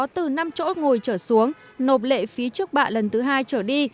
từ năm chỗ ngồi chở xuống nộp lệ phí trước bạ lần thứ hai chở đi